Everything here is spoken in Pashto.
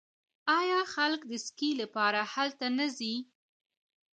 آیا خلک د سکي لپاره هلته نه ځي؟